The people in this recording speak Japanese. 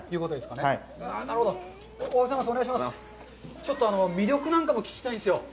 ちょっと魅力なんかも聞きたいんですよ。